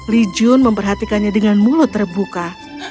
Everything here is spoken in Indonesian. li jun memperhatikannya dengan mulut terbuka